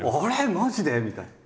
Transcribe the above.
マジで？みたいな。